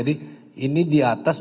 ini di atas